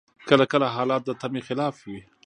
کله کله حالات د تمي خلاف وي.